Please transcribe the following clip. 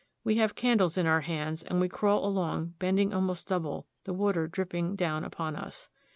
We have candles in our hands, and we crawl along, bend ing almost double, the water dripping down upon us.